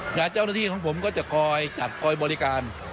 เจ้าหน้าที่ของผมก็จะคอยจัดคอยบริการ